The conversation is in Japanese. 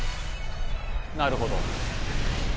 なるほど。